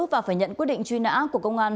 và phải nhận quyết định truy nã của công an